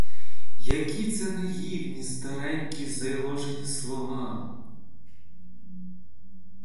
Які це наївні, старенькі, заяложені слова!